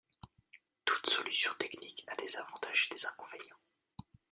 Tout solution technique a des avantages et des inconvénients.